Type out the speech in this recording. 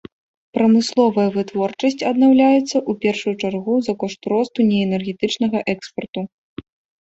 Прамысловая вытворчасць аднаўляецца, у першую чаргу, за кошт росту неэнергетычнага экспарту.